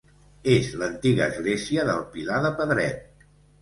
És l’antiga església del Pilar de Pedret.